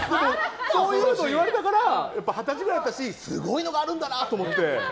そういうのを言われたから二十歳ぐらいだったしすごいのがあるんだなと思って。